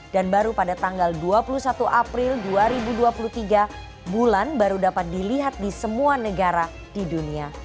dan baru pada tanggal dua puluh satu april dua ribu dua puluh tiga bulan baru dapat dilihat di semua negara di dunia